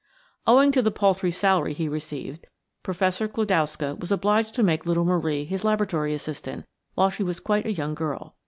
Owing to the paltry salary he received, Professor Klodowska was obliged to make little Marie his laboratory assistant while she was quite a young girl.